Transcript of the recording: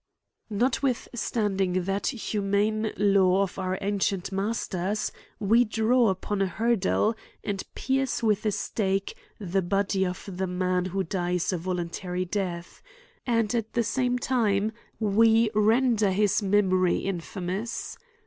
* Notwithstanding that humane law of our anci ent masters, we draw upon a hurdle, and pierce with a stake, the body of the man who dies a vo luntary death ; and, at the same time, we ren der his memory infamous.